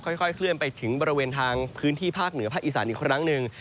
ค่อยเคลื่อนไปถึงบริเวณทางพื้นที่ภาคเหนือภาคอีสานอีกครั้งหนึ่ง